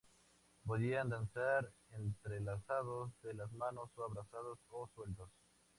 Podían danzar entrelazados de las manos o abrazados, o sueltos.